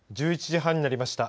１１時半になりました。